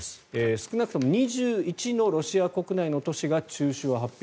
少なくとも２１のロシア国内の都市が中止を発表。